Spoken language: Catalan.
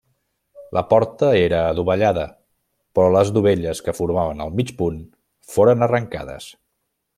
La porta era adovellada, però les dovelles que formaven el mig punt foren arrencades.